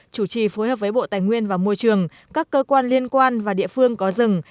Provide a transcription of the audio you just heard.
chủ trì phối hợp với bộ tài nguyên và môi trường các cơ quan liên quan và địa phương có rừng